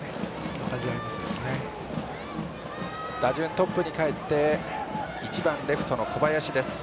打順トップに帰って１番、レフトの小林です。